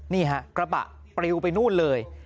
นี่ฮะกระบะปริวไปนู่นเลย